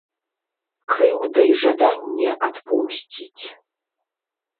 Крыўда і жаданне адпомсціць.